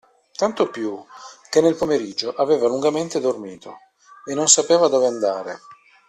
Tanto più che nel pomeriggio aveva lungamente dormito; e non sapeva dove andare.